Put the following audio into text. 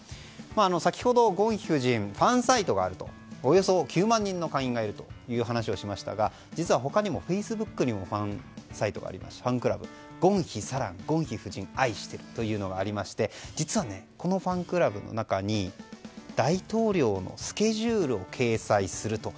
先ほど、ゴンヒ夫人はファンサイトがあっておよそ９万人の会員がいるという話をしましたが実は、他にもフェイスブックにもファンクラブゴンヒサランゴンヒ夫人、愛しているというものがあって実はこのファンクラブの中に大統領のスケジュールを掲載すると。